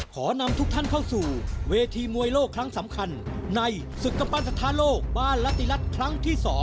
ขอนำทุกท่านเข้าสู่เวทีมวยโลกครั้งสำคัญในศึกกปั้นสถานโลกบ้านลติรัฐครั้งที่๒